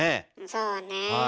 そうねえ。